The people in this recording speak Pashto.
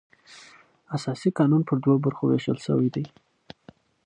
اساسي قانون پر دوو برخو وېشل سوى دئ.